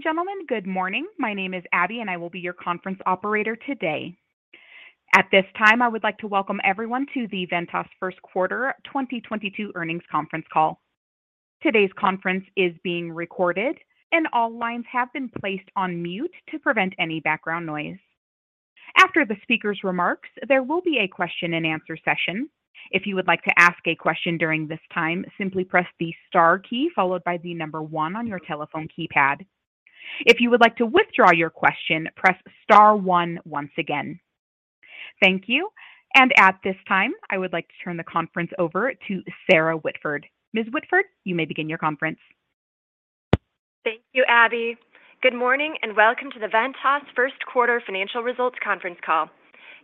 Ladies and gentlemen, good morning. My name is Abby, and I will be your conference operator today. At this time, I would like to welcome everyone to the Ventas first quarter 2022 earnings conference call. Today's conference is being recorded and all lines have been placed on mute to prevent any background noise. After the speaker's remarks, there will be a question-and-answer session. If you would like to ask a question during this time, simply press the star key followed by the number one on your telephone keypad. If you would like to withdraw your question, press star one once again. Thank you. At this time, I would like to turn the conference over to Sarah Whitford. Ms. Whitford, you may begin your conference. Thank you, Abby. Good morning and welcome to the Ventas first quarter financial results conference call.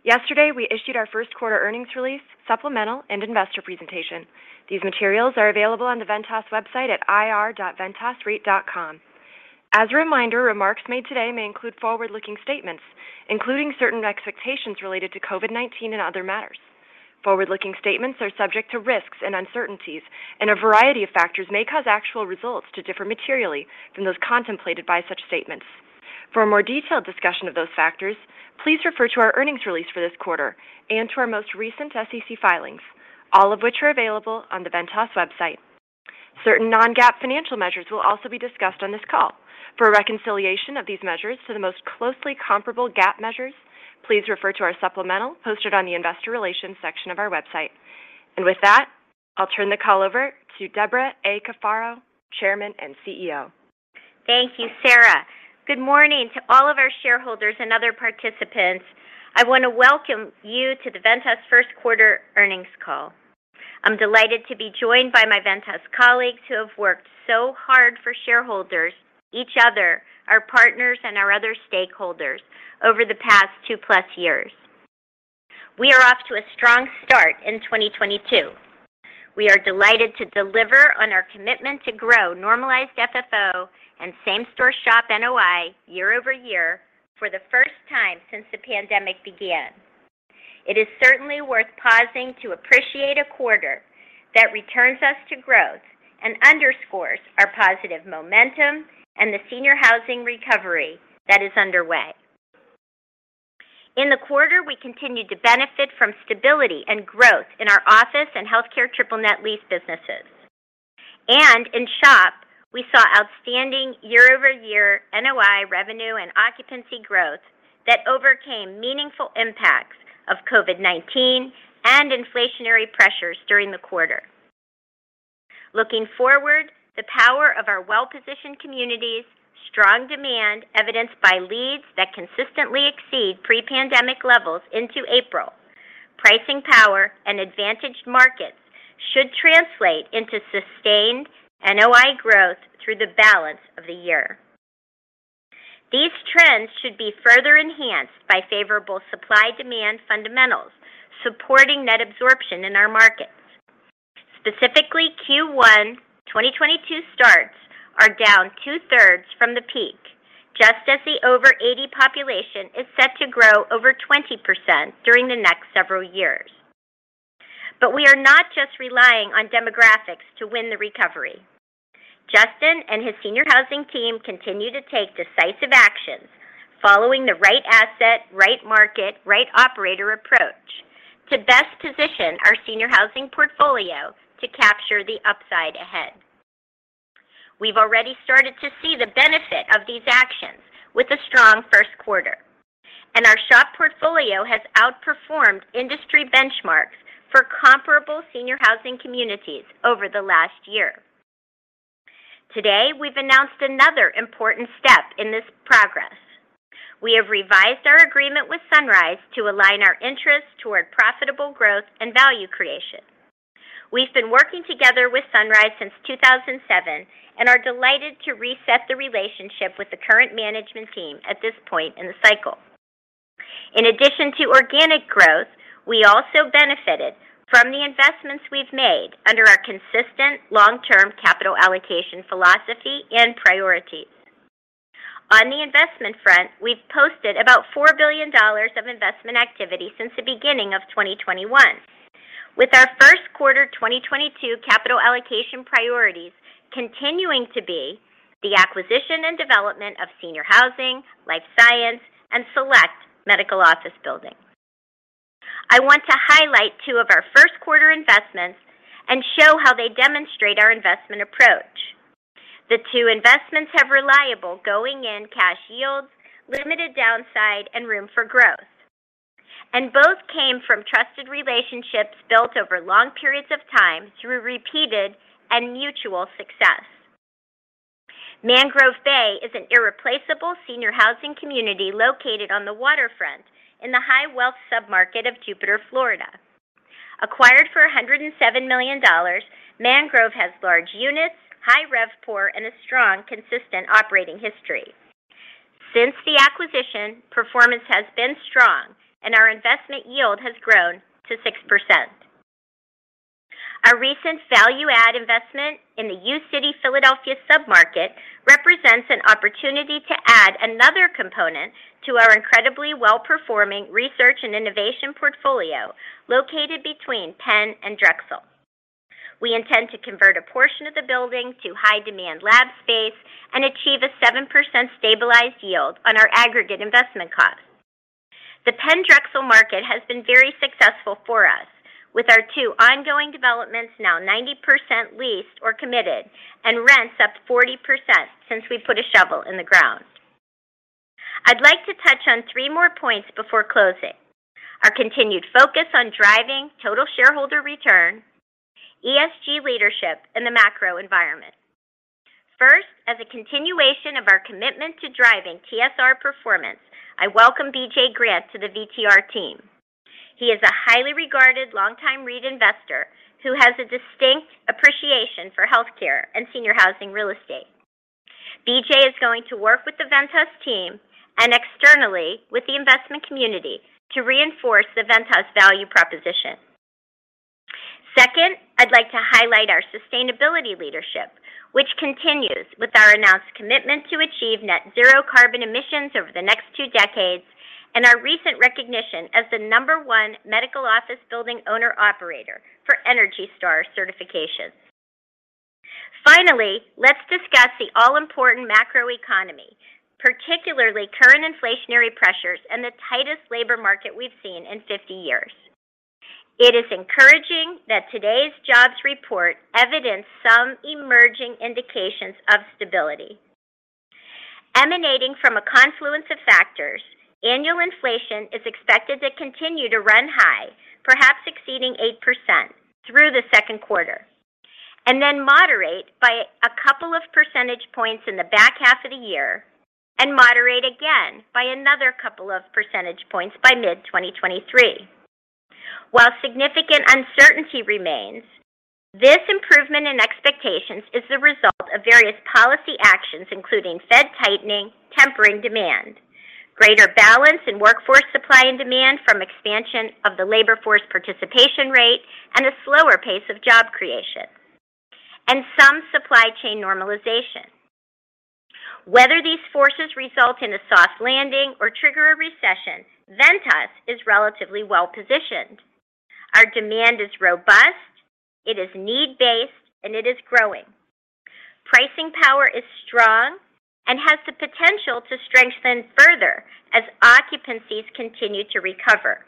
Yesterday, we issued our first quarter earnings release, supplemental, and investor presentation. These materials are available on the Ventas website at ir.ventasreit.com. As a reminder, remarks made today may include forward-looking statements, including certain expectations related to COVID-19 and other matters. Forward-looking statements are subject to risks and uncertainties, and a variety of factors may cause actual results to differ materially from those contemplated by such statements. For a more detailed discussion of those factors, please refer to our earnings release for this quarter and to our most recent SEC filings, all of which are available on the Ventas website. Certain non-GAAP financial measures will also be discussed on this call. For a reconciliation of these measures to the most closely comparable GAAP measures, please refer to our supplemental posted on the investor relations section of our website. With that, I'll turn the call over to Debra A. Cafaro, Chairman and CEO. Thank you, Sarah. Good morning to all of our shareholders and other participants. I want to welcome you to the Ventas first quarter earnings call. I'm delighted to be joined by my Ventas colleagues who have worked so hard for shareholders, each other, our partners, and our other stakeholders over the past 2+ years. We are off to a strong start in 2022. We are delighted to deliver on our commitment to grow normalized FFO and same-store SHOP NOI year-over-year for the first time since the pandemic began. It is certainly worth pausing to appreciate a quarter that returns us to growth and underscores our positive momentum and the senior housing recovery that is underway. In the quarter, we continued to benefit from stability and growth in our office and healthcare triple-net lease businesses. In SHOP, we saw outstanding year-over-year NOI revenue and occupancy growth that overcame meaningful impacts of COVID-19 and inflationary pressures during the quarter. Looking forward, the power of our well-positioned communities, strong demand evidenced by leads that consistently exceed pre-pandemic levels into April, pricing power, and advantaged markets should translate into sustained NOI growth through the balance of the year. These trends should be further enhanced by favorable supply-demand fundamentals supporting net absorption in our markets. Specifically, Q1 2022 starts are down two-thirds from the peak, just as the over eighty population is set to grow over 20% during the next several years. We are not just relying on demographics to win the recovery. Justin and his senior housing team continue to take decisive actions following the right asset, right market, right operator approach to best position our senior housing portfolio to capture the upside ahead. We've already started to see the benefit of these actions with a strong first quarter, and our SHOP portfolio has outperformed industry benchmarks for comparable senior housing communities over the last year. Today, we've announced another important step in this progress. We have revised our agreement with Sunrise to align our interests toward profitable growth and value creation. We've been working together with Sunrise since 2007 and are delighted to reset the relationship with the current management team at this point in the cycle. In addition to organic growth, we also benefited from the investments we've made under our consistent long-term capital allocation philosophy and priorities. On the investment front, we've posted about $4 billion of investment activity since the beginning of 2021, with our first quarter 2022 capital allocation priorities continuing to be the acquisition and development of senior housing, life science, and select medical office buildings. I want to highlight two of our first quarter investments and show how they demonstrate our investment approach. The two investments have reliable going-in cash yields, limited downside, and room for growth. Both came from trusted relationships built over long periods of time through repeated and mutual success. Mangrove Bay is an irreplaceable senior housing community located on the waterfront in the high wealth sub-market of Jupiter, Florida. Acquired for $107 million, Mangrove has large units, high RevPOR, and a strong, consistent operating history. Since the acquisition, performance has been strong, and our investment yield has grown to 6%. Our recent value add investment in the University City Philadelphia submarket represents an opportunity to add another component to our incredibly well-performing research and innovation portfolio located between Penn and Drexel. We intend to convert a portion of the building to high demand lab space and achieve a 7% stabilized yield on our aggregate investment costs. The Penn Drexel market has been very successful for us with our two ongoing developments now 90% leased or committed and rents up 40% since we put a shovel in the ground. I'd like to touch on three more points before closing. Our continued focus on driving total shareholder return, ESG leadership, and the macro environment. First, as a continuation of our commitment to driving TSR performance, I welcome BJ Grant to the VTR Team. He is a highly regarded longtime REIT investor who has a distinct appreciation for healthcare and senior housing real estate. BJ is going to work with the Ventas team and externally with the investment community to reinforce the Ventas value proposition. Second, I'd like to highlight our sustainability leadership, which continues with our announced commitment to achieve net zero carbon emissions over the next two decades and our recent recognition as the number one medical office building owner operator for ENERGY STAR certifications. Finally, let's discuss the all-important macro economy, particularly current inflationary pressures and the tightest labor market we've seen in 50 years. It is encouraging that today's jobs report evidenced some emerging indications of stability. Emanating from a confluence of factors, annual inflation is expected to continue to run high, perhaps exceeding 8% through the second quarter, and then moderate by a couple of percentage points in the back half of the year and moderate again by another couple of percentage points by mid-2023. While significant uncertainty remains, this improvement in expectations is the result of various policy actions, including Fed tightening, tempering demand, greater balance in workforce supply and demand from expansion of the labor force participation rate and a slower pace of job creation, and some supply chain normalization. Whether these forces result in a soft landing or trigger a recession, Ventas is relatively well-positioned. Our demand is robust, it is need-based, and it is growing. Pricing power is strong and has the potential to strengthen further as occupancies continue to recover.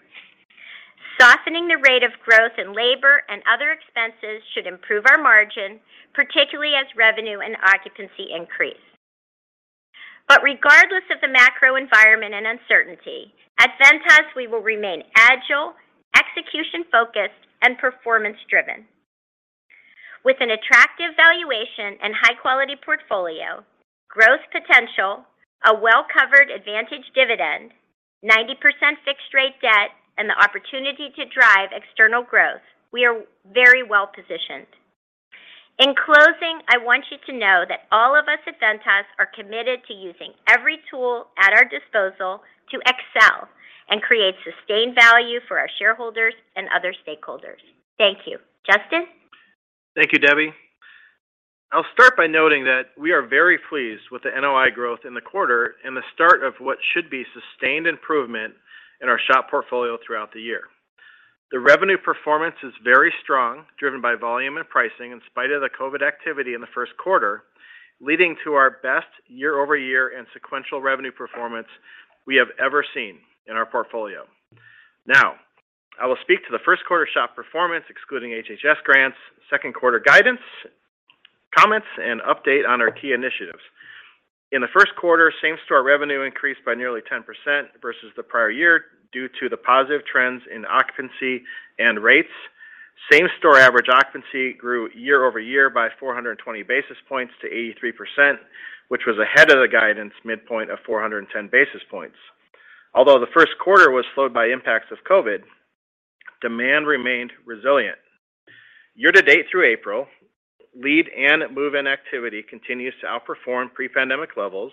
Softening the rate of growth in labor and other expenses should improve our margin, particularly as revenue and occupancy increase. Regardless of the macro environment and uncertainty, at Ventas, we will remain agile, execution-focused, and performance-driven. With an attractive valuation and high-quality portfolio, growth potential, a well-covered advantage dividend, 90% fixed-rate debt, and the opportunity to drive external growth, we are very well positioned. In closing, I want you to know that all of us at Ventas are committed to using every tool at our disposal to excel and create sustained value for our shareholders and other stakeholders. Thank you. Justin. Thank you, Debbie. I'll start by noting that we are very pleased with the NOI growth in the quarter and the start of what should be sustained improvement in our SHOP portfolio throughout the year. The revenue performance is very strong, driven by volume and pricing in spite of the COVID activity in the first quarter, leading to our best year-over-year and sequential revenue performance we have ever seen in our portfolio. Now, I will speak to the first quarter SHOP performance, excluding HHS Grants, second quarter guidance, comments, and update on our key initiatives. In the first quarter, same-store revenue increased by nearly 10% versus the prior year due to the positive trends in occupancy and rates. Same-store average occupancy grew year-over-year by 420 basis points to 83%, which was ahead of the guidance midpoint of 410 basis points. Although the first quarter was slowed by impacts of COVID, demand remained resilient. Year-to-date through April, lead and move-in activity continues to outperform pre-pandemic levels,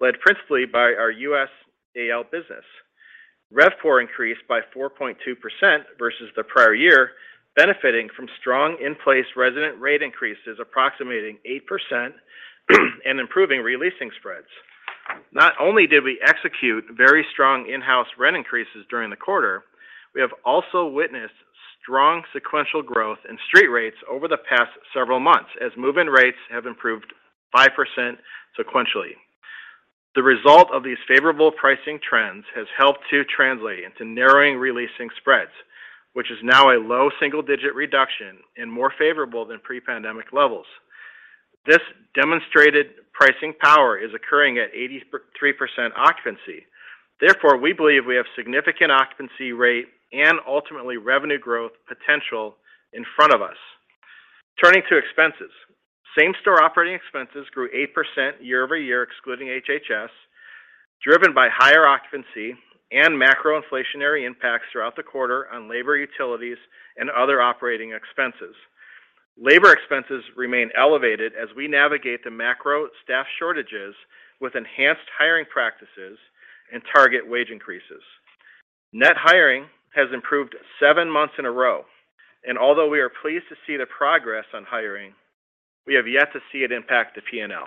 led principally by our USAL business. RevPOR increased by 4.2% versus the prior year, benefiting from strong in-place resident rate increases approximating 8% and improving re-leasing spreads. Not only did we execute very strong in-house rent increases during the quarter, we have also witnessed strong sequential growth in street rates over the past several months as move-in rates have improved 5% sequentially. The result of these favorable pricing trends has helped to translate into narrowing re-leasing spreads, which is now a low single-digit reduction and more favorable than pre-pandemic levels. This demonstrated pricing power is occurring at 83% occupancy. Therefore, we believe we have significant occupancy rate and ultimately revenue growth potential in front of us. Turning to expenses. Same-store operating expenses grew 8% year-over-year, excluding HHS, driven by higher occupancy and macro inflationary impacts throughout the quarter on labor utilities and other operating expenses. Labor expenses remain elevated as we navigate the macro staff shortages with enhanced hiring practices and target wage increases. Net hiring has improved 7 months in a row, and although we are pleased to see the progress on hiring, we have yet to see it impact the P&L.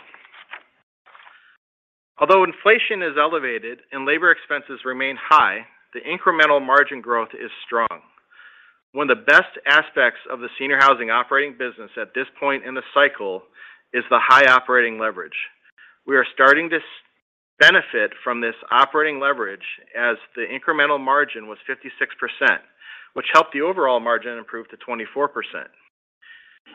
Although inflation is elevated and labor expenses remain high, the incremental margin growth is strong. One of the best aspects of the senior housing operating business at this point in the cycle is the high operating leverage. We are starting to see benefit from this operating leverage as the incremental margin was 56%, which helped the overall margin improve to 24%.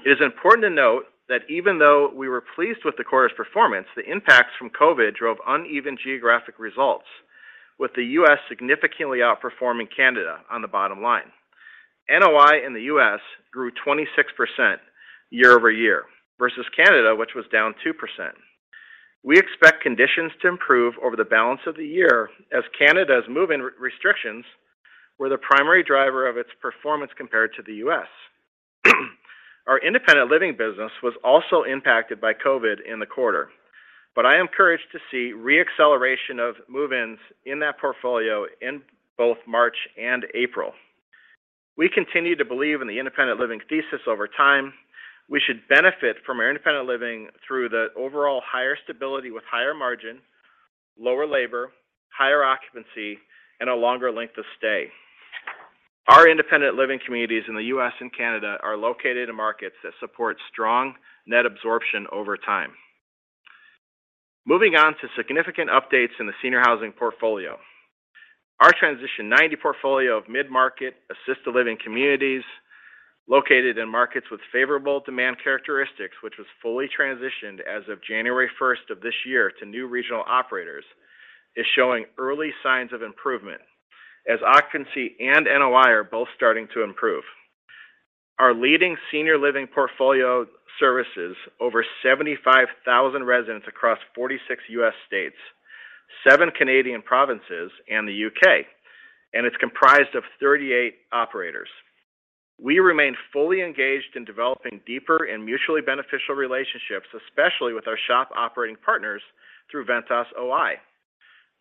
It is important to note that even though we were pleased with the quarter's performance, the impacts from COVID drove uneven geographic results, with the U.S. significantly outperforming Canada on the bottom line. NOI in the U.S. grew 26% year-over-year versus Canada, which was down 2%. We expect conditions to improve over the balance of the year as Canada's move-in restrictions were the primary driver of its performance compared to the U.S. Our independent living business was also impacted by COVID in the quarter, but I am encouraged to see re-acceleration of move-ins in that portfolio in both March and April. We continue to believe in the independent living thesis over time. We should benefit from our independent living through the overall higher stability with higher margin, lower labor, higher occupancy, and a longer length of stay. Our independent living communities in the U.S. and Canada are located in markets that support strong net absorption over time. Moving on to significant updates in the senior housing portfolio. Our Transition 90 portfolio of mid-market assisted living communities located in markets with favorable demand characteristics, which was fully transitioned as of January 1st of this year to new regional operators, is showing early signs of improvement as occupancy and NOI are both starting to improve. Our leading senior living portfolio services over 75,000 residents across 46 U.S. states, 7 Canadian provinces, and the U.K., and it's comprised of 38 operators. We remain fully engaged in developing deeper and mutually beneficial relationships, especially with our SHOP operating partners through Ventas OI.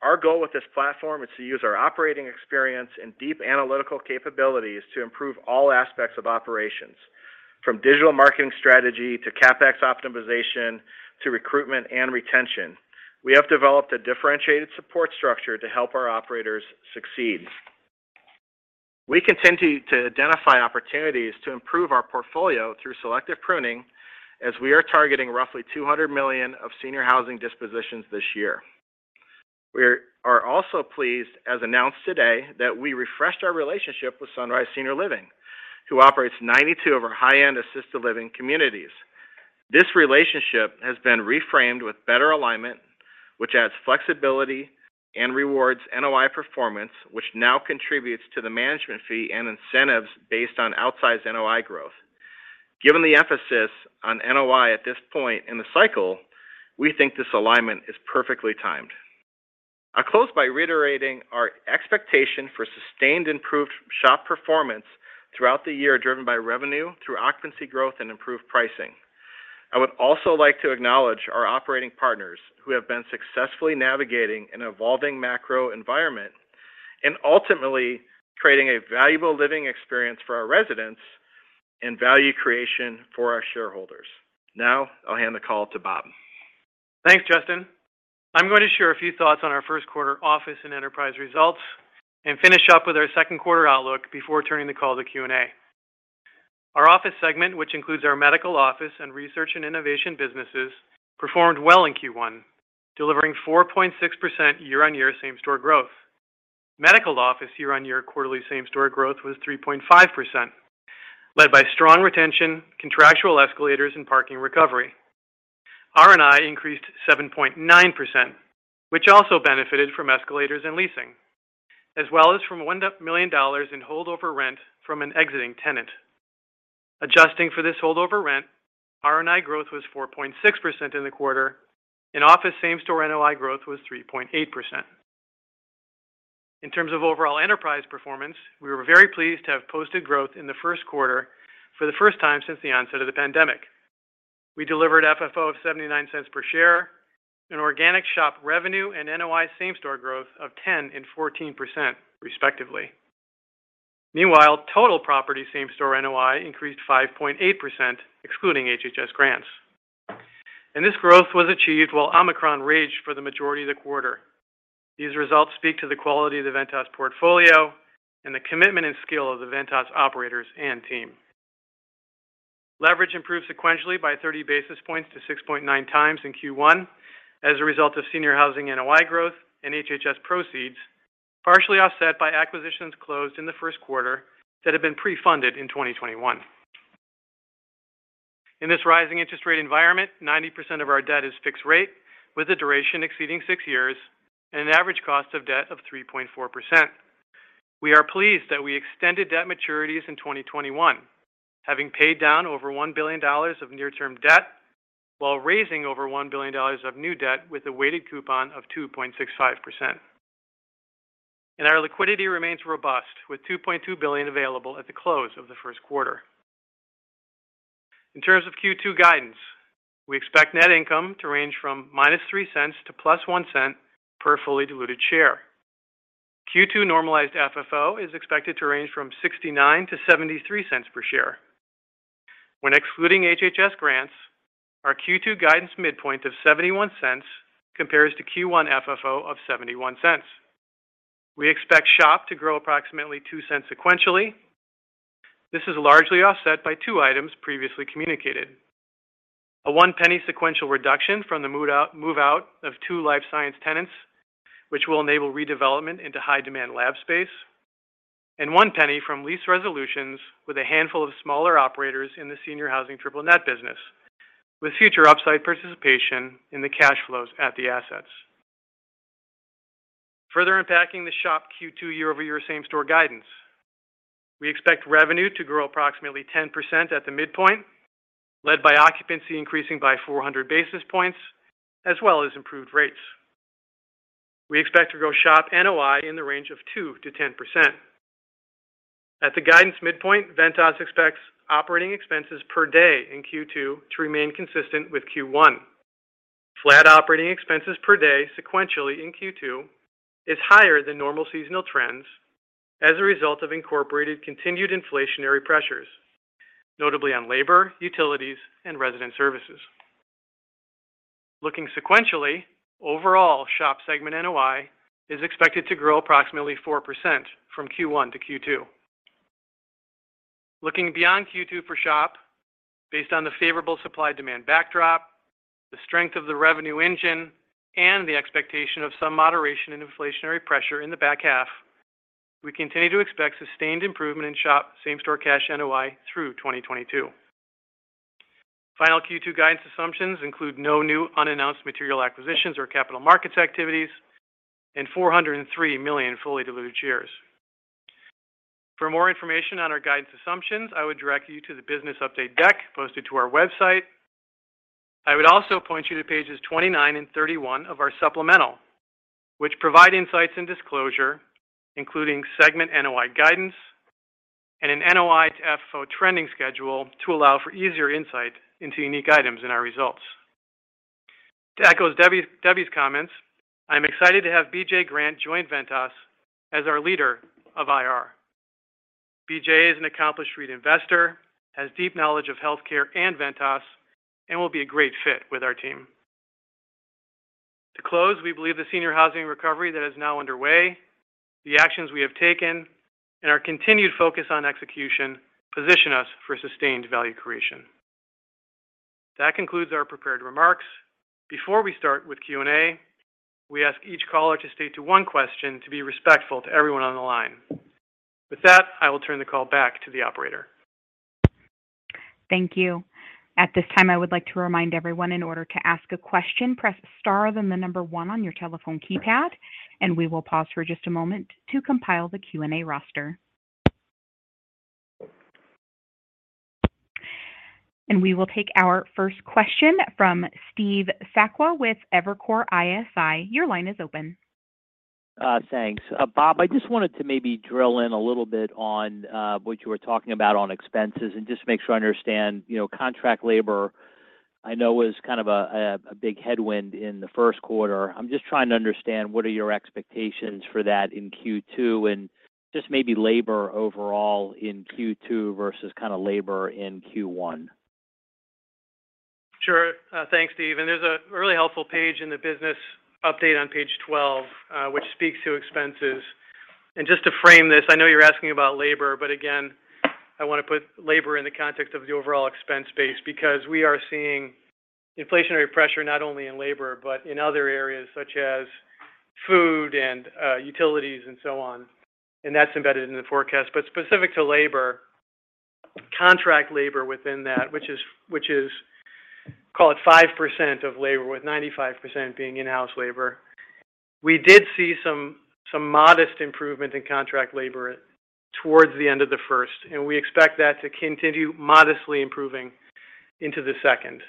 Our goal with this platform is to use our operating experience and deep analytical capabilities to improve all aspects of operations, from digital marketing strategy to CapEx optimization to recruitment and retention. We have developed a differentiated support structure to help our operators succeed. We continue to identify opportunities to improve our portfolio through selective pruning as we are targeting roughly $200 million of senior housing dispositions this year. We are also pleased, as announced today, that we refreshed our relationship with Sunrise Senior Living, who operates 92 of our high-end assisted living communities. This relationship has been reframed with better alignment, which adds flexibility and rewards NOI performance, which now contributes to the management fee and incentives based on outsized NOI growth. Given the emphasis on NOI at this point in the cycle, we think this alignment is perfectly timed. I'll close by reiterating our expectation for sustained improved SHOP performance throughout the year, driven by revenue through occupancy growth and improved pricing. I would also like to acknowledge our operating partners who have been successfully navigating an evolving macro environment and ultimately creating a valuable living experience for our residents and value creation for our shareholders. Now I'll hand the call to Bob. Thanks, Justin. I'm going to share a few thoughts on our first quarter office and enterprise results and finish up with our second quarter outlook before turning the call to Q&A. Our office segment, which includes our medical office and research and innovation businesses, performed well in Q1, delivering 4.6% year-on-year same-store growth. Medical office year-on-year quarterly same-store growth was 3.5%, led by strong retention, contractual escalators, and parking recovery. R&I increased 7.9%, which also benefited from escalators and leasing, as well as from $1 million in holdover rent from an exiting tenant. Adjusting for this holdover rent, R&I growth was 4.6% in the quarter, and office same-store NOI growth was 3.8%. In terms of overall enterprise performance, we were very pleased to have posted growth in the first quarter for the first time since the onset of the pandemic. We delivered FFO of $0.79 per share and organic SHOP revenue and NOI same-store growth of 10% and 14% respectively. Meanwhile, total property same-store NOI increased 5.8%, excluding HHS grants. This growth was achieved while Omicron raged for the majority of the quarter. These results speak to the quality of the Ventas portfolio and the commitment and skill of the Ventas operators and team. Leverage improved sequentially by 30 basis points to 6.9x in Q1 as a result of senior housing NOI growth and HHS proceeds, partially offset by acquisitions closed in the first quarter that had been pre-funded in 2021. In this rising interest rate environment, 90% of our debt is fixed rate with a duration exceeding 6 years and an average cost of debt of 3.4%. We are pleased that we extended debt maturities in 2021, having paid down over $1 billion of near-term debt while raising over $1 billion of new debt with a weighted coupon of 2.65%. Our liquidity remains robust, with $2.2 billion available at the close of the first quarter. In terms of Q2 guidance, we expect net income to range from -$0.03 to +$0.01 per fully diluted share. Q2 normalized FFO is expected to range from $0.69-$0.73 per share. When excluding HHS grants, our Q2 guidance midpoint of $0.71 compares to Q1 FFO of $0.71. We expect SHOP to grow approximately $0.02 sequentially. This is largely offset by two items previously communicated. A $0.01 sequential reduction from the move out of two life science tenants, which will enable redevelopment into high demand lab space, and $0.01 from lease resolutions with a handful of smaller operators in the senior housing triple net business, with future upside participation in the cash flows at the assets. Further unpacking the SHOP Q2 year-over-year same store guidance, we expect revenue to grow approximately 10% at the midpoint, led by occupancy increasing by 400 basis points as well as improved rates. We expect to grow SHOP NOI in the range of 2%-10%. At the guidance midpoint, Ventas expects operating expenses per day in Q2 to remain consistent with Q1. Flat operating expenses per day sequentially in Q2 is higher than normal seasonal trends as a result of incorporated continued inflationary pressures, notably on labor, utilities, and resident services. Looking sequentially, overall SHOP segment NOI is expected to grow approximately 4% from Q1-Q2. Looking beyond Q2 for SHOP, based on the favorable supply-demand backdrop, the strength of the revenue engine, and the expectation of some moderation in inflationary pressure in the back half, we continue to expect sustained improvement in SHOP same-store cash NOI through 2022. Final Q2 guidance assumptions include no new unannounced material acquisitions or capital markets activities and 403 million fully diluted shares. For more information on our guidance assumptions, I would direct you to the business update deck posted to our website. I would also point you to pages 29 and 31 of our supplemental, which provide insights and disclosure, including segment NOI guidance and an NOI to FFO trending schedule to allow for easier insight into unique items in our results. To echo Debbie's comments, I'm excited to have BJ Grant join Ventas as our leader of IR. BJ is an accomplished REIT investor, has deep knowledge of healthcare and Ventas, and will be a great fit with our team. To close, we believe the senior housing recovery that is now underway, the actions we have taken, and our continued focus on execution position us for sustained value creation. That concludes our prepared remarks. Before we start with Q&A, we ask each caller to limit to one question to be respectful to everyone on the line. With that, I will turn the call back to the operator. Thank you. At this time, I would like to remind everyone in order to ask a question, press star, then the number one on your telephone keypad, and we will pause for just a moment to compile the Q&A roster. We will take our first question from Steve Sakwa with Evercore ISI. Your line is open. Thanks. Bob, I just wanted to maybe drill in a little bit on what you were talking about on expenses and just make sure I understand. You know, contract labor, I know was kind of a big headwind in the first quarter. I'm just trying to understand what are your expectations for that in Q2, and just maybe labor overall in Q2 versus kinda labor in Q1. Sure. Thanks, Steve. There's a really helpful page in the business update on page 12, which speaks to expenses. Just to frame this, I know you're asking about labor, but again, I wanna put labor in the context of the overall expense base because we are seeing inflationary pressure not only in labor, but in other areas such as food and, utilities and so on, and that's embedded in the forecast. Specific to labor, contract labor within that, which is, call it 5% of labor, with 95% being in-house labor. We did see some modest improvement in contract labor towards the end of the first, and we expect that to continue modestly improving into the second,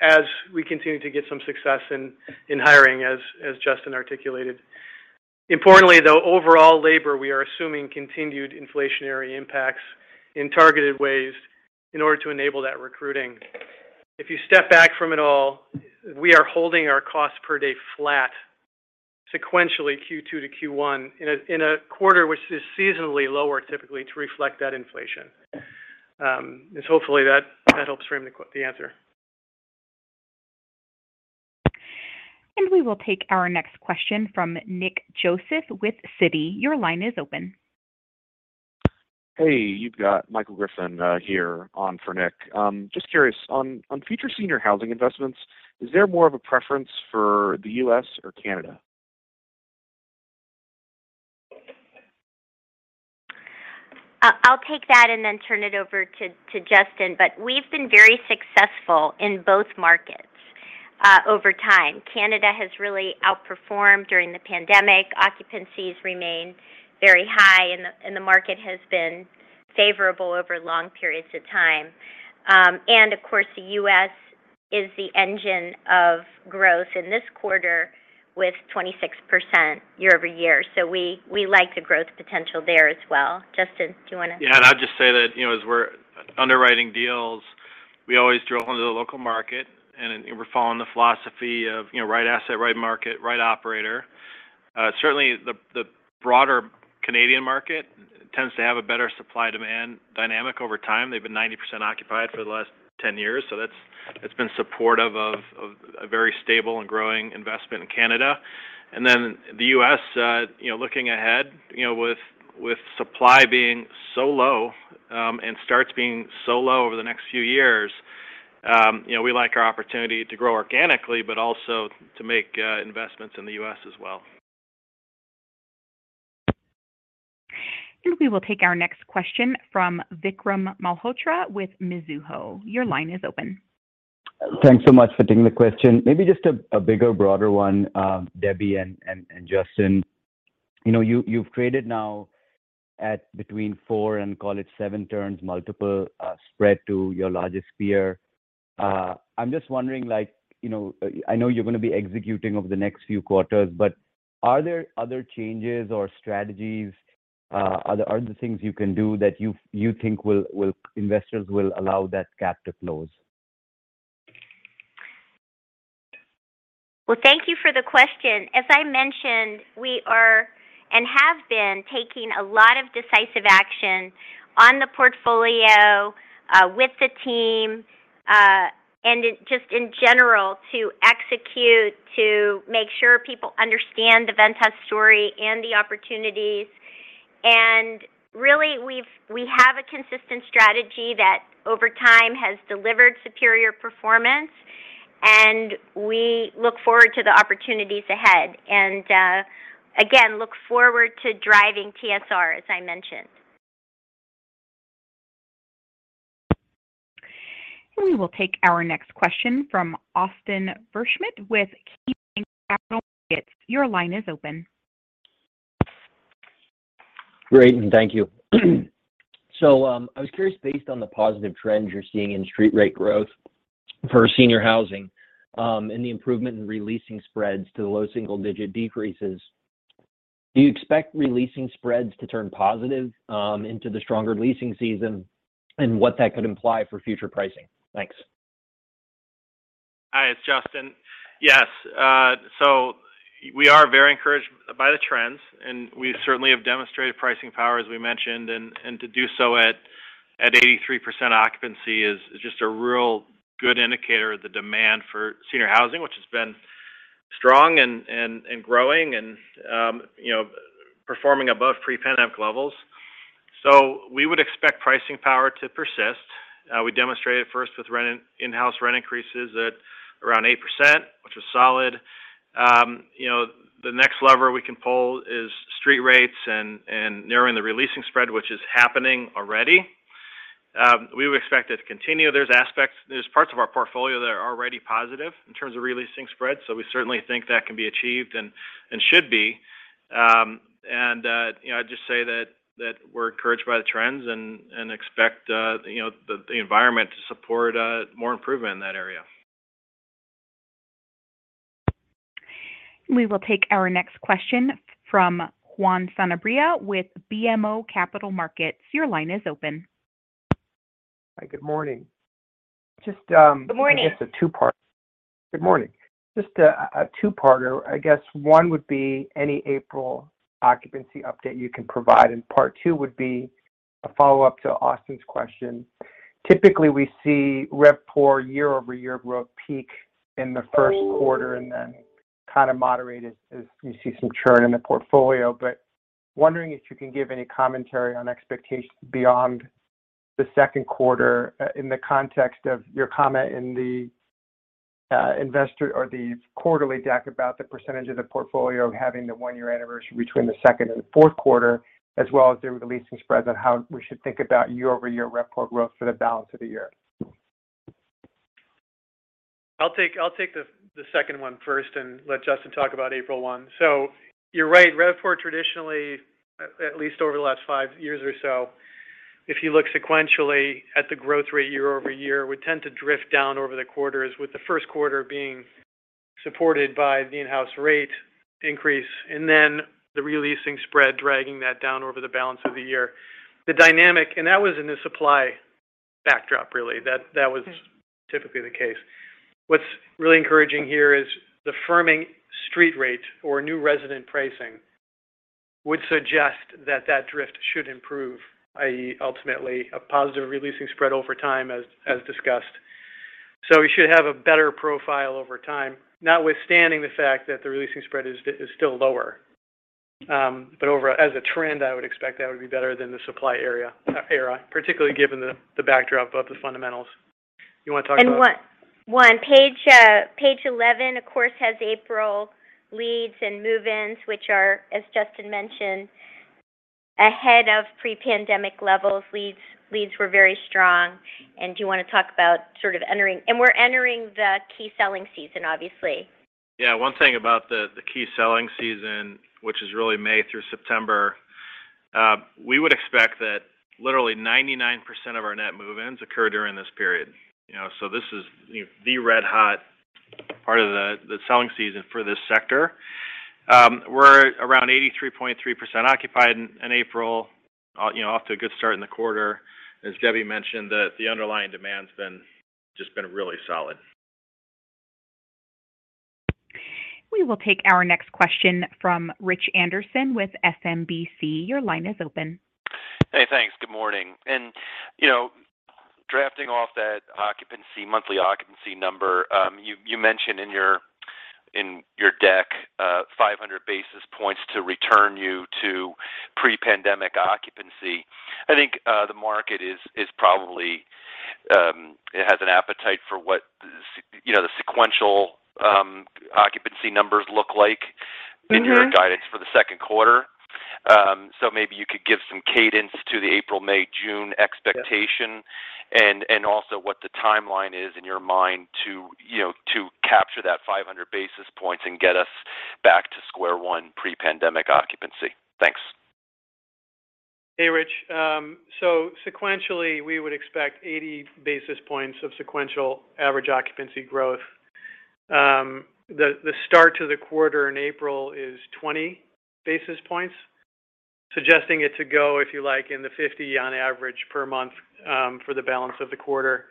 as we continue to get some success in hiring, as Justin articulated. Importantly, though, overall labor, we are assuming continued inflationary impacts in targeted ways in order to enable that recruiting. If you step back from it all, we are holding our cost per day flat sequentially Q2-Q1 in a quarter which is seasonally lower typically to reflect that inflation. Hopefully that helps frame the answer. We will take our next question from Nick Joseph with Citi. Your line is open. Hey. You've got Michael Griffin here on for Nick. Just curious, on future senior housing investments, is there more of a preference for the U.S. or Canada? I'll take that and then turn it over to Justin, but we've been very successful in both markets over time. Canada has really outperformed during the pandemic. Occupancies remain very high and the market has been favorable over long periods of time. Of course, the U.S. is the engine of growth in this quarter with 26% year-over-year. We like the growth potential there as well. Justin, do you wanna- Yeah. I'll just say that, you know, as we're underwriting deals. We always drill into the local market, and we're following the philosophy of, you know, right asset, right market, right operator. Certainly the broader Canadian market tends to have a better supply-demand dynamic over time. They've been 90% occupied for the last 10 years, so that's. It's been supportive of a very stable and growing investment in Canada. Then the U.S., you know, looking ahead, you know, with supply being so low, and starts being so low over the next few years, you know, we like our opportunity to grow organically, but also to make investments in the U.S. as well. We will take our next question from Vikram Malhotra with Mizuho. Your line is open. Thanks so much for taking the question. Maybe just a bigger, broader one, Debbie and Justin. You know, you've created now at between 4 and call it 7 turns multiple, spread to your largest peer. I'm just wondering, like, you know, I know you're gonna be executing over the next few quarters, but are there other changes or strategies? Are there other things you can do that you think investors will allow that gap to close? Well, thank you for the question. As I mentioned, we are and have been taking a lot of decisive action on the portfolio, with the team, and just in general to execute to make sure people understand the Ventas story and the opportunities. Really, we have a consistent strategy that over time has delivered superior performance, and we look forward to the opportunities ahead and, again, look forward to driving TSR, as I mentioned. We will take our next question from Austin Wurschmidt with KeyBanc Capital Markets. Your line is open. Great, thank you. I was curious, based on the positive trends you're seeing in street rate growth for senior housing, and the improvement in re-leasing spreads to the low single digit decreases, do you expect re-leasing spreads to turn positive, into the stronger leasing season, and what that could imply for future pricing? Thanks. Hi, it's Justin. Yes. We are very encouraged by the trends, and we certainly have demonstrated pricing power, as we mentioned. To do so at 83% occupancy is just a real good indicator of the demand for senior housing, which has been strong and growing and, you know, performing above pre-pandemic levels. We would expect pricing power to persist. We demonstrated first with rent in-house rent increases at around 8%, which was solid. You know, the next lever we can pull is street rates and narrowing the re-leasing spread, which is happening already. We would expect it to continue. There are parts of our portfolio that are already positive in terms of re-leasing spread, so we certainly think that can be achieved and should be. You know, I'd just say that we're encouraged by the trends and expect, you know, the environment to support more improvement in that area. We will take our next question from Juan Sanabria with BMO Capital Markets. Your line is open. Hi, good morning. Good morning. Good morning. Just a two-parter. I guess one would be any April occupancy update you can provide, and part two would be a follow-up to Austin's question. Typically, we see RevPAR year-over-year growth peak in the first quarter and then kind of moderate as you see some churn in the portfolio. Wondering if you can give any commentary on expectations beyond the second quarter in the context of your comment in the investor or the quarterly deck about the percentage of the portfolio having the one-year anniversary between the second and fourth quarter, as well as the re-leasing spreads on how we should think about year-over-year RevPAR growth for the balance of the year. I'll take the second one first and let Justin talk about April 1. You're right. RevPAR traditionally, at least over the last five years or so, if you look sequentially at the growth rate year-over-year, would tend to drift down over the quarters with the first quarter being supported by the in-house rate increase and then the re-leasing spread dragging that down over the balance of the year. That was in the supply backdrop, really. That was typically the case. What's really encouraging here is the firming street rate or new resident pricing would suggest that that drift should improve, i.e., ultimately, a positive re-leasing spread over time as discussed. We should have a better profile over time, notwithstanding the fact that the re-leasing spread is still lower. Over as a trend, I would expect that would be better than the supply era, particularly given the backdrop of the fundamentals. You wanna talk about. Page 11, of course, has April leads and move-ins, which are, as Justin mentioned, ahead of pre-pandemic levels. Leads were very strong. We're entering the key selling season, obviously. Yeah. One thing about the key selling season, which is really May through September, we would expect that literally 99% of our net move-ins occur during this period. You know, so this is, you know, the red-hot part of the selling season for this sector. We're around 83.3% occupied in April. You know, off to a good start in the quarter. As Debbie mentioned, the underlying demand's been just really solid. We will take our next question from Rich Anderson with SMBC. Your line is open. Hey, thanks. Good morning. You know, drafting off that occupancy, monthly occupancy number, you mentioned in your deck, 500 basis points to return you to pre-pandemic occupancy. I think, the market is probably, it has an appetite for what you know, the sequential, occupancy numbers look like. Mm-hmm In your guidance for the second quarter. Maybe you could give some cadence to the April, May, June expectation. Yeah. Also what the timeline is in your mind to, you know, to capture that 500 basis points and get us back to square one pre-pandemic occupancy. Thanks. Hey, Rich. Sequentially, we would expect 80 basis points of sequential average occupancy growth. The start of the quarter in April is 20 basis points, suggesting it to go, if you like, in the 50 on average per month, for the balance of the quarter.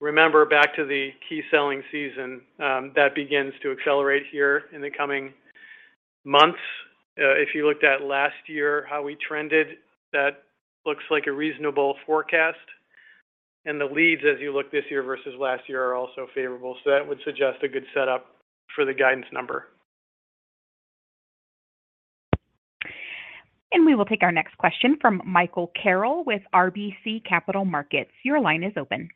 Remember back to the key selling season that begins to accelerate here in the coming months. If you looked at last year how we trended, that looks like a reasonable forecast. The leads, as you look this year versus last year, are also favorable. That would suggest a good setup for the guidance number. We will take our next question from Michael Carroll with RBC Capital Markets. Your line is open.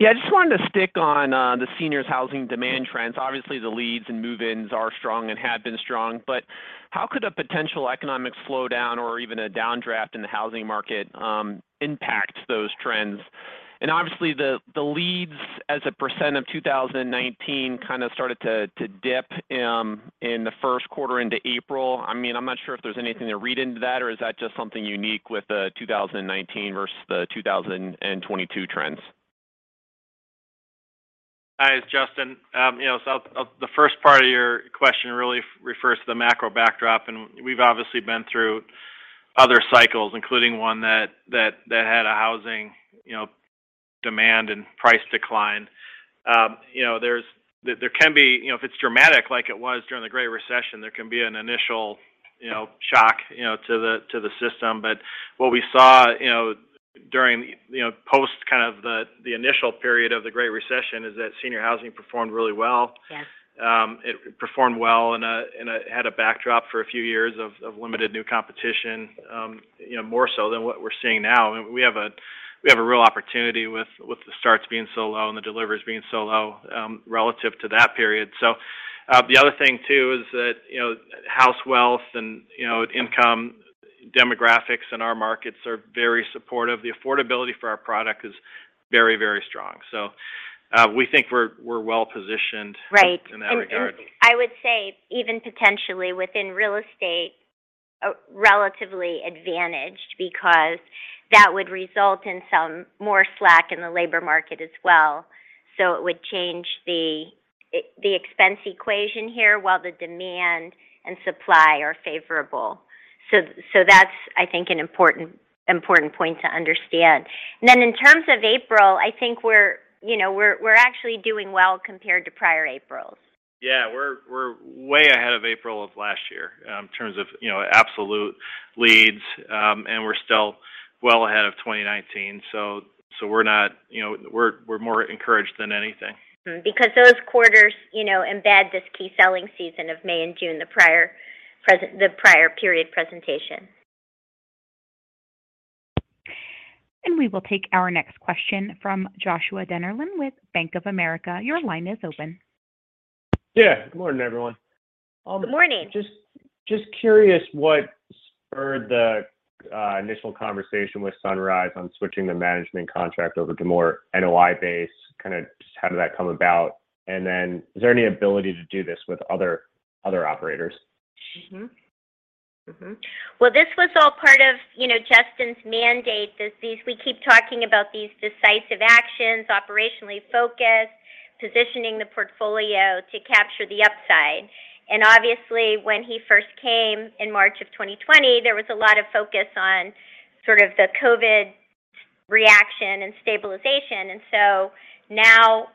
Yeah. I just wanted to stick on the seniors housing demand trends. Obviously, the leads and move-ins are strong and have been strong. How could a potential economic slowdown or even a downdraft in the housing market impact those trends? Obviously, the leads as a % of 2019 kind of started to dip in the first quarter into April. I mean, I'm not sure if there's anything to read into that, or is that just something unique with the 2019 versus the 2022 trends? Hi, it's Justin. You know, the first part of your question really refers to the macro backdrop, and we've obviously been through other cycles, including one that had a housing demand and price decline. You know, there can be, you know, if it's dramatic like it was during the Great Recession, there can be an initial, you know, shock, you know, to the system. But what we saw, you know, during, you know, post kind of the initial period of the Great Recession is that senior housing performed really well. Yes. It performed well and had a backdrop for a few years of limited new competition, you know, more so than what we're seeing now. We have a real opportunity with the starts being so low and the deliveries being so low, relative to that period. The other thing too is that, you know, house wealth and, you know, income demographics in our markets are very supportive. The affordability for our product is very, very strong. We think we're well positioned. Right in that regard. I would say even potentially within real estate relatively advantaged because that would result in some more slack in the labor market as well. It would change the expense equation here while the demand and supply are favorable. That's, I think, an important point to understand. Then in terms of April, I think we're, you know, actually doing well compared to prior Aprils. Yeah. We're way ahead of April of last year in terms of, you know, absolute leads. We're still well ahead of 2019. We're not, you know, we're more encouraged than anything. Because those quarters, you know, embed this key selling season of May and June, the prior period presentation. We will take our next question from Joshua Dennerlein with Bank of America. Your line is open. Yeah. Good morning, everyone. Good morning. Just curious what spurred the initial conversation with Sunrise on switching the management contract over to more NOI-based. Kinda just how did that come about? Is there any ability to do this with other operators? Well, this was all part of, you know, Justin's mandate. We keep talking about these decisive actions, operationally focused, positioning the portfolio to capture the upside. Obviously, when he first came in March of 2020, there was a lot of focus on sort of the COVID reaction and stabilization. Now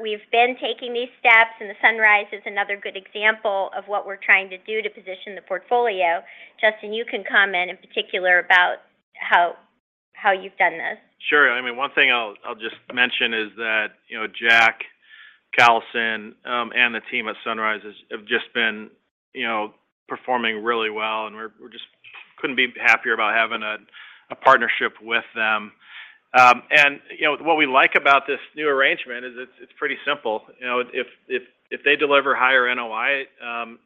we've been taking these steps, and the Sunrise is another good example of what we're trying to do to position the portfolio. Justin, you can comment in particular about how you've done this. Sure. I mean, one thing I'll just mention is that, you know, Jack Callison and the team at Sunrise have just been, you know, performing really well, and we couldn't be happier about having a partnership with them. You know, what we like about this new arrangement is it's pretty simple. You know, if they deliver higher NOI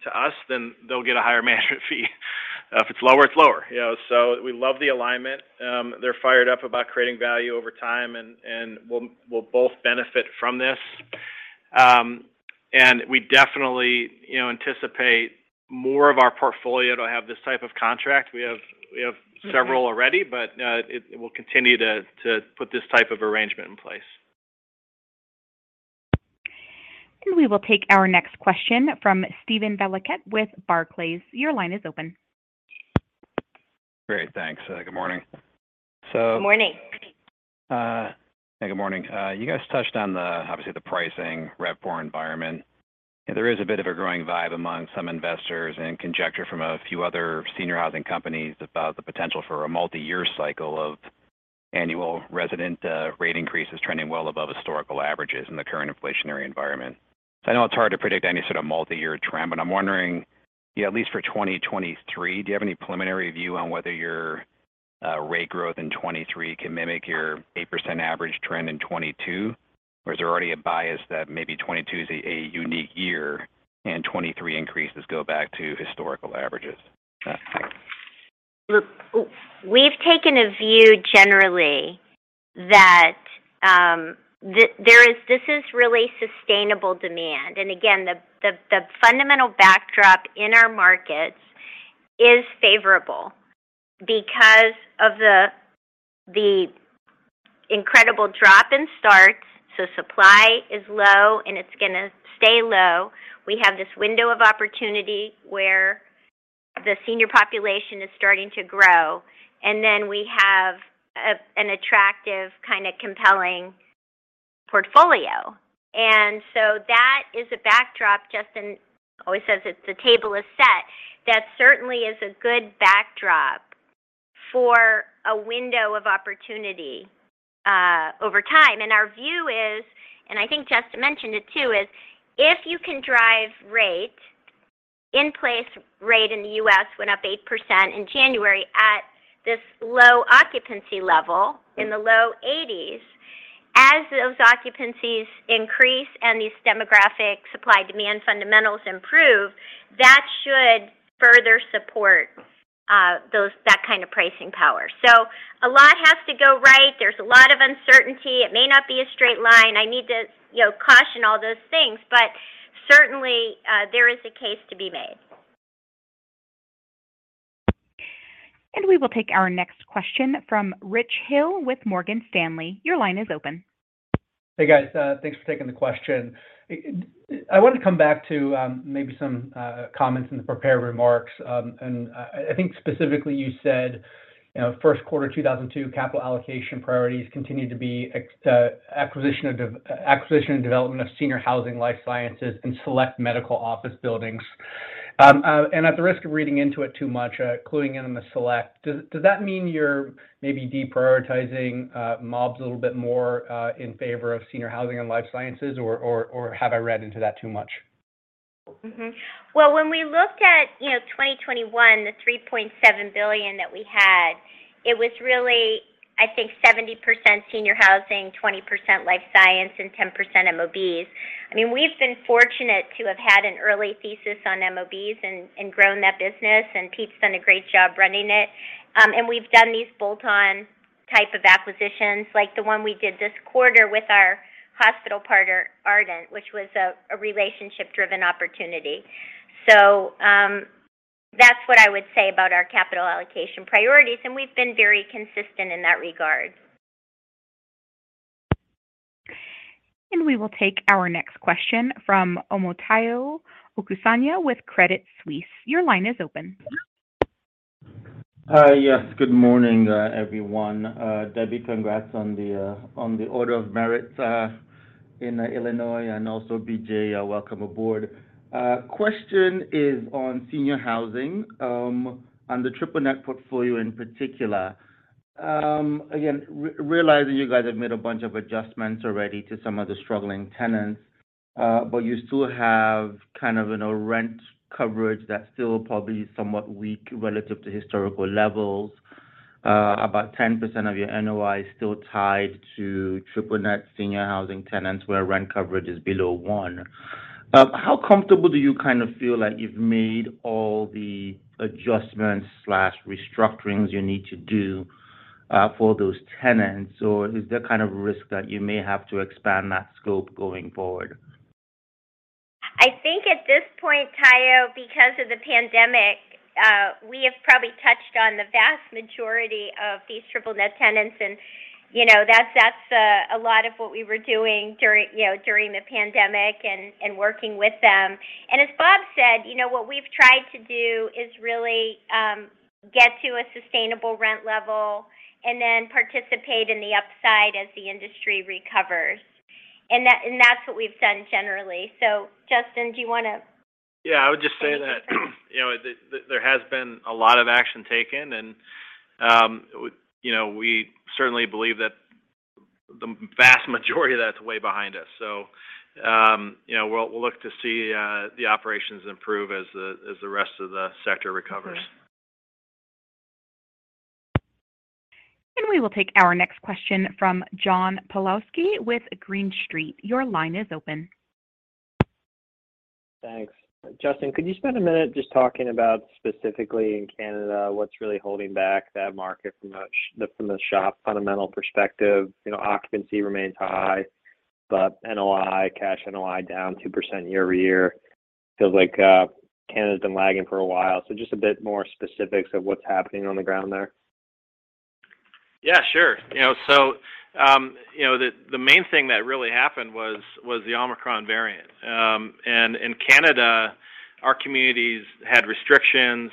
to us, then they'll get a higher management fee. If it's lower, it's lower. You know, we love the alignment. They're fired up about creating value over time, and we'll both benefit from this. We definitely, you know, anticipate more of our portfolio to have this type of contract. We have several already, but it will continue to put this type of arrangement in place. We will take our next question from Steven Valiquette with Barclays. Your line is open. Great. Thanks. Good morning. Good morning. Good morning. You guys touched on, obviously, the pricing RevPOR environment. There is a bit of a growing vibe among some investors and conjecture from a few other senior housing companies about the potential for a multiyear cycle of annual resident rate increases trending well above historical averages in the current inflationary environment. I know it's hard to predict any sort of multi-year trend, but I'm wondering, at least for 2023, do you have any preliminary view on whether your rate growth in 2023 can mimic your 8% average trend in 2022? Or is there already a bias that maybe 2022 is a unique year and 2023 increases go back to historical averages? Look, we've taken a view generally that this is really sustainable demand. Again, the fundamental backdrop in our markets is favorable because of the incredible drop in starts. Supply is low, and it's gonna stay low. We have this window of opportunity where the senior population is starting to grow, and then we have an attractive kind of compelling portfolio. That is a backdrop. Justin always says it's the table is set. That certainly is a good backdrop for a window of opportunity over time. Our view is, and I think Justin mentioned it too, is if you can drive rate, in place rate in the U.S. went up 8% in January at this low occupancy level in the low 80s, as those occupancies increase and these demographic supply-demand fundamentals improve, that should further support that kind of pricing power. A lot has to go right. There's a lot of uncertainty. It may not be a straight line. I need to, you know, caution all those things. Certainly, there is a case to be made. We will take our next question from Rich Hill with Morgan Stanley. Your line is open. Hey, guys. Thanks for taking the question. I wanted to come back to maybe some comments in the prepared remarks. I think specifically you said, you know, first quarter 2022 capital allocation priorities continued to be acquisition and development of senior housing, life sciences, and select medical office buildings. At the risk of reading into it too much, cluing in on the select, does that mean you're maybe deprioritizing MOBs a little bit more in favor of senior housing and life sciences? Or have I read into that too much? Mm-hmm. Well, when we looked at, you know, 2021, the $3.7 billion that we had, it was really, I think, 70% senior housing, 20% life science, and 10% MOBs. I mean, we've been fortunate to have had an early thesis on MOBs and grown that business, and Pete's done a great job running it. We've done these bolt-on type of acquisitions like the one we did this quarter with our hospital partner, Ardent, which was a relationship-driven opportunity. That's what I would say about our capital allocation priorities, and we've been very consistent in that regard. We will take our next question from Omotayo Okusanya with Credit Suisse. Your line is open. Hi. Yes. Good morning, everyone. Debbie, congrats on the Order of Lincoln in Illinois. BJ, welcome aboard. Question is on senior housing, on the triple net portfolio in particular. Again, realizing you guys have made a bunch of adjustments already to some of the struggling tenants, but you still have kind of a low rent coverage that's still probably somewhat weak relative to historical levels. About 10% of your NOI is still tied to triple net senior housing tenants where rent coverage is below one. How comfortable do you kind of feel that you've made all the adjustments and restructurings you need to do for those tenants? Or is there kind of a risk that you may have to expand that scope going forward? I think at this point, Tayo, because of the pandemic, we have probably touched on the vast majority of these triple net tenants. You know, that's a lot of what we were doing, you know, during the pandemic and working with them. As Bob said, you know, what we've tried to do is really get to a sustainable rent level and then participate in the upside as the industry recovers. That's what we've done generally. Justin, do you wanna- Yeah. I would just say that, you know, there has been a lot of action taken, and, you know, we certainly believe that the vast majority of that's way behind us. You know, we'll look to see the operations improve as the rest of the sector recovers. We will take our next question from John Pawlowski with Green Street. Your line is open. Thanks. Justin, could you spend a minute just talking about specifically in Canada, what's really holding back that market from the shop fundamental perspective. You know, occupancy remains high, but NOI, cash NOI down 2% year-over-year. Feels like, Canada's been lagging for a while. Just a bit more specifics of what's happening on the ground there. Yeah, sure. You know, the main thing that really happened was the Omicron variant. In Canada, our communities had restrictions.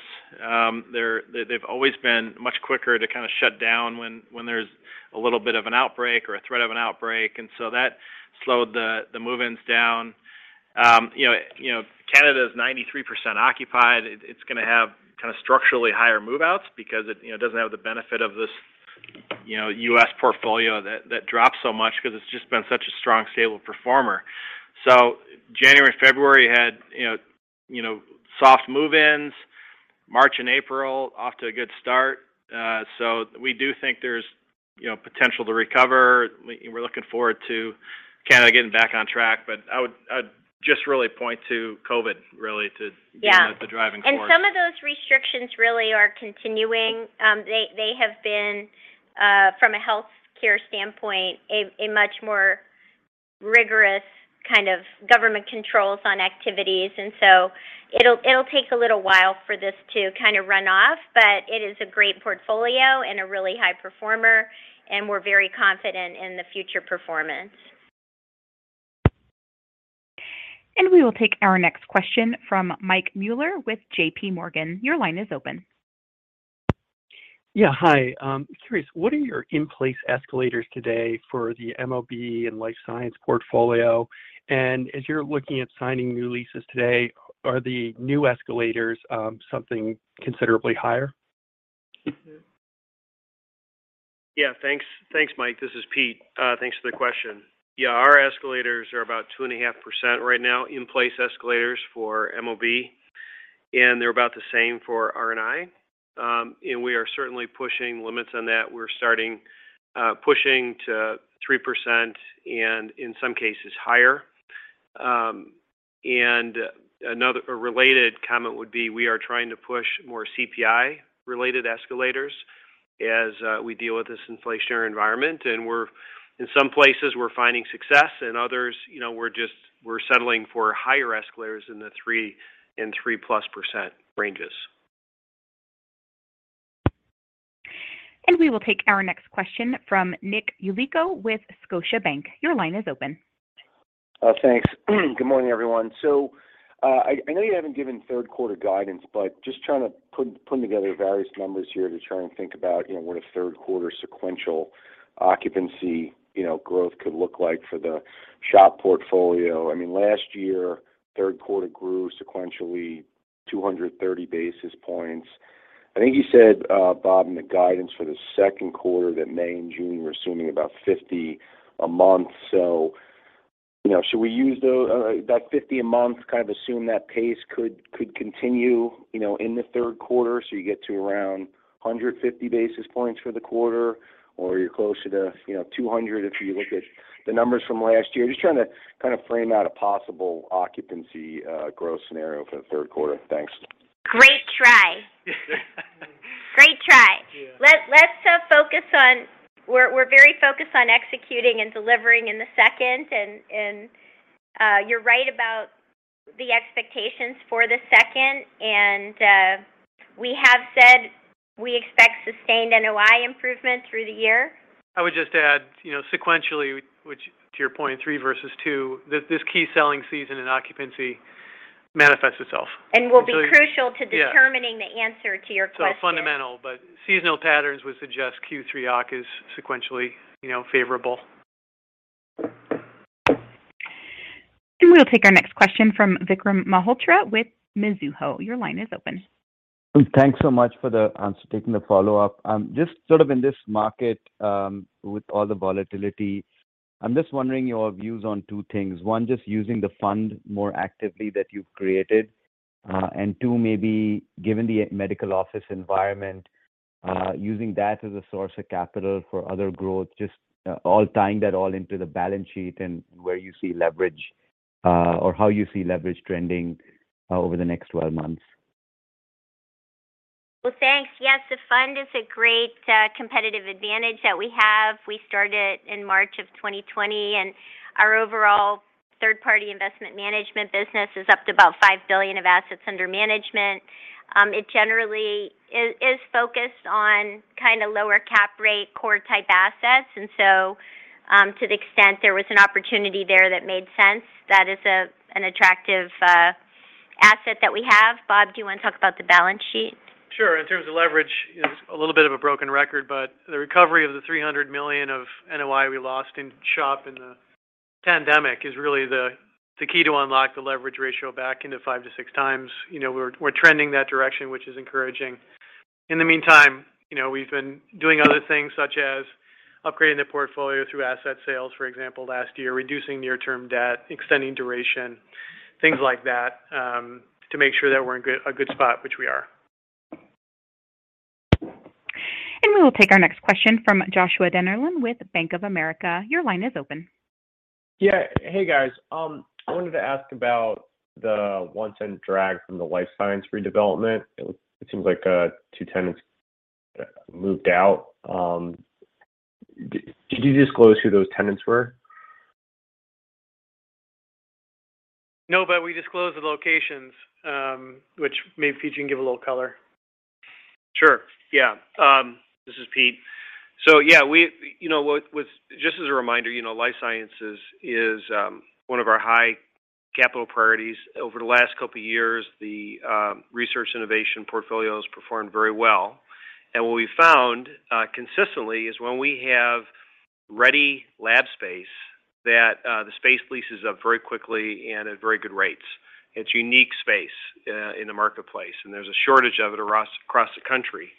They've always been much quicker to kind of shut down when there's a little bit of an outbreak or a threat of an outbreak. That slowed the move-ins down. You know, Canada is 93% occupied. It's gonna have kind of structurally higher move-outs because it doesn't have the benefit of this U.S. portfolio that dropped so much because it's just been such a strong, stable performer. January, February had soft move-ins. March and April, off to a good start. We do think there's potential to recover. We're looking forward to Canada getting back on track. I'd just really point to COVID, really. Yeah being the driving force. Some of those restrictions really are continuing. They have been from a healthcare standpoint a much more rigorous kind of government controls on activities. It'll take a little while for this to kind of run off, but it is a great portfolio and a really high performer, and we're very confident in the future performance. We will take our next question from Mike Mueller with J.P. Morgan. Your line is open. Yeah, hi. Curious, what are your in-place escalators today for the MOB and life science portfolio? As you're looking at signing new leases today, are the new escalators something considerably higher? Yeah. Thanks. Thanks, Mike. This is Pete. Thanks for the question. Yeah. Our escalators are about 2.5% right now, in-place escalators for MOB, and they're about the same for R&I. We are certainly pushing limits on that. We're starting pushing to 3% and in some cases higher. A related comment would be we are trying to push more CPI-related escalators as we deal with this inflationary environment. In some places, we're finding success. In others, you know, we're just settling for higher escalators in the 3% and 3%+ ranges. We will take our next question from Nick Yulico with Scotiabank. Your line is open. Thanks. Good morning, everyone. I know you haven't given third quarter guidance, but just trying to put together various numbers here to try and think about, you know, what a third quarter sequential occupancy, you know, growth could look like for the shop portfolio. I mean, last year, third quarter grew sequentially 230 basis points. I think you said, Bob, in the guidance for the second quarter that May and June, we're assuming about 50 a month. You know, should we use that 50 a month, kind of assume that pace could continue, you know, in the third quarter, so you get to around 150 basis points for the quarter, or you're closer to, you know, 200 if you look at the numbers from last year? Just trying to kind of frame out a possible occupancy, growth scenario for the third quarter. Thanks. Great try. Great try. Yeah. We're very focused on executing and delivering in the second. You're right about the expectations for the second. We have said we expect sustained NOI improvement through the year. I would just add, you know, sequentially, which to your point, 3 versus 2, this key selling season and occupancy manifests itself. Will be crucial to. Yeah Determining the answer to your question. Fundamental, but seasonal patterns would suggest Q3 occ is sequentially, you know, favorable. We'll take our next question from Vikram Malhotra with Mizuho. Your line is open. I'm taking the follow-up. Just sort of in this market, with all the volatility, I'm just wondering your views on two things. One, just using the fund more actively that you've created. Two, maybe given the medical office environment, using that as a source of capital for other growth, just all tying that into the balance sheet and where you see leverage, or how you see leverage trending, over the next 12 months. Well, thanks. Yes, the fund is a great competitive advantage that we have. We started in March 2020, and our overall third-party investment management business is up to about $5 billion of assets under management. It generally is focused on kind of lower cap rate core type assets. To the extent there was an opportunity there that made sense, that is an attractive asset that we have. Bob, do you want to talk about the balance sheet? Sure. In terms of leverage, it's a little bit of a broken record, but the recovery of the $300 million of NOI we lost in SHOP in the pandemic is really the key to unlock the leverage ratio back into 5-6 times. You know, we're trending that direction, which is encouraging. In the meantime, you know, we've been doing other things such as upgrading the portfolio through asset sales, for example, last year, reducing near-term debt, extending duration, things like that, to make sure that we're in a good spot, which we are. We will take our next question from Joshua Dennerlein with Bank of America. Your line is open. Yeah. Hey, guys. I wanted to ask about the 110 drag from the life science redevelopment. It seems like two tenants moved out. Did you disclose who those tenants were? No, we disclosed the locations, which maybe Pete can give a little color. Sure, yeah. This is Pete. Yeah, you know, just as a reminder, you know, life sciences is one of our high capital priorities. Over the last couple of years the research innovation portfolio has performed very well. What we found consistently is when we have ready lab space that the space leases up very quickly and at very good rates. It's unique space in the marketplace, and there's a shortage of it across the country.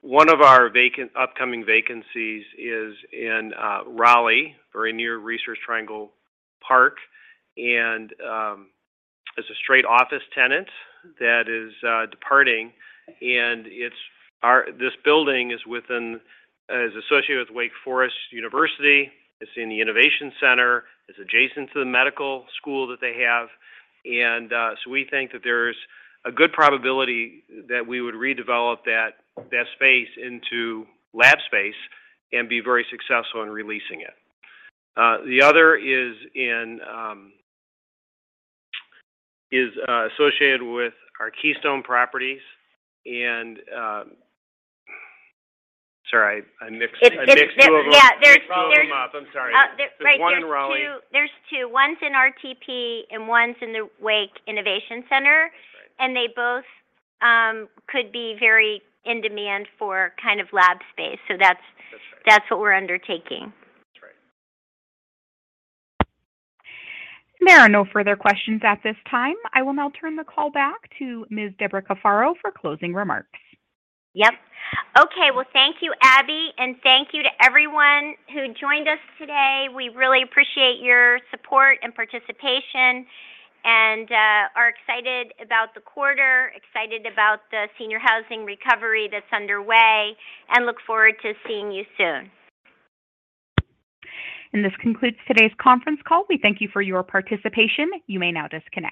One of our upcoming vacancies is in Raleigh, very near Research Triangle Park. It's a straight office tenant that is departing. This building is associated with Wake Forest University. It's in the innovation center. It's adjacent to the medical school that they have. We think that there's a good probability that we would redevelop that space into lab space and be very successful in releasing it. The other is associated with our Keystone Properties. Sorry, I mixed- It's. Yeah. I mixed two of them up. I'm sorry. Uh, there- There's one in Raleigh. There's 2. One's in RTP, and one's in the Wake Innovation Center. That's right. They both could be very in demand for kind of lab space. That's right. That's what we're undertaking. That's right. There are no further questions at this time. I will now turn the call back to Ms. Debra A. Cafaro for closing remarks. Yep. Okay. Well, thank you, Abby, and thank you to everyone who joined us today. We really appreciate your support and participation and are excited about the quarter, excited about the senior housing recovery that's underway, and look forward to seeing you soon. This concludes today's conference call. We thank you for your participation. You may now disconnect.